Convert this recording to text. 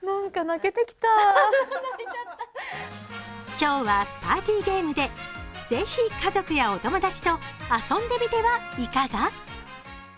今日はパーティーゲームでぜひ、家族やお友達と遊んでみてはいかが？